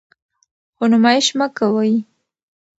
خو نمایش مه کوئ.